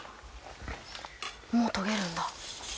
もう研げるんだ。